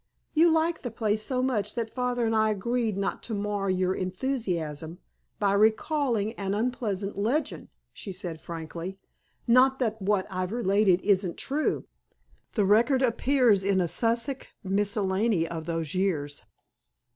"You liked the place so much that father and I agreed not to mar your enthusiasm by recalling an unpleasant legend," she said frankly. "Not that what I've related isn't true. The record appears in a Sussex Miscellany of those years....